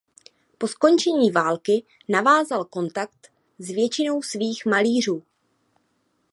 Po skončení války navázal kontakt s většinou svých malířů.